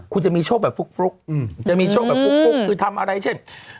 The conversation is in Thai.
คุณจะมีโชคแบบฟลุกจะมีโชคแบบฟลุกคือทำอะไรเช่น